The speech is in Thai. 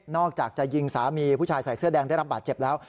อกจากจะยิงสามีผู้ชายใส่เสื้อแดงได้รับบาดเจ็บแล้ว